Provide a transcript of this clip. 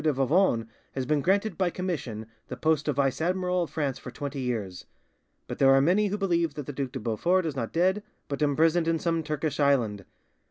de Vivonne has been granted by commission the post of vice admiral of France for twenty years; but there are many who believe that the Duc de Beaufort is not dead, but imprisoned in some Turkish island.